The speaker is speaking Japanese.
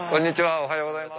おはようございます。